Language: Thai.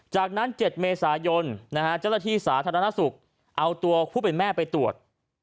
จากนั้น๗เมษายนเจ้าหน้าที่สาธารณสุขเอาตัวผู้เป็นแม่ไปตรวจ